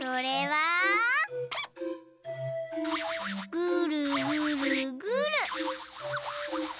ぐるぐるぐる。